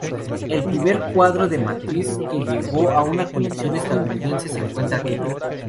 El primer cuadro de Matisse que llegó a una colección estadounidense se encuentra aquí.